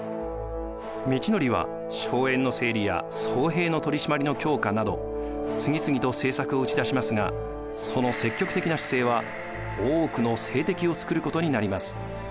通憲は荘園の整理や僧兵の取り締まりの強化など次々と政策を打ち出しますがその積極的な姿勢は多くの政敵をつくることになります。